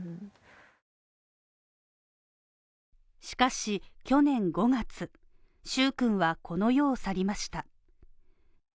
しかし去年５月、蹴君はこの世を去りました。